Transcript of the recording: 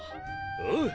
おう！